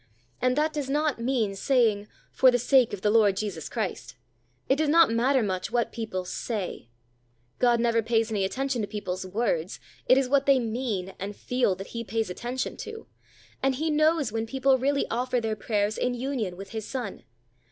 And that does not mean saying, "For the sake of the Lord Jesus Christ." It does not matter much what people say. God never pays any attention to people's words; it is what they mean and feel that He pays attention to; and He knows when people really offer their prayers in union with His Son.